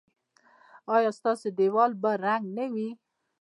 ایا ستاسو دیوال به رنګ نه وي؟